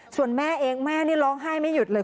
ส่วนแม่เองแม่นี่ร้องไห้ไม่หยุดเลย